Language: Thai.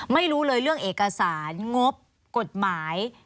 ไม่รู้เลยเรื่องเอกสารงบกฎหมาย